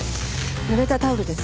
濡れたタオルです。